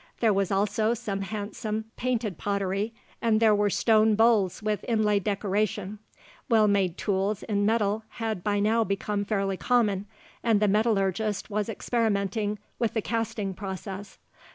There was also some handsome painted pottery, and there were stone bowls with inlaid decoration. Well made tools in metal had by now become fairly common, and the metallurgist was experimenting with the casting process.